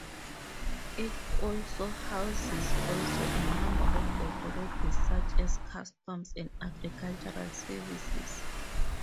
It also houses also a number of authorities such as customs and agricultural services.